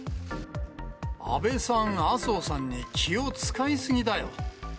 安倍さん、麻生さんに気を遣い過ぎだよ。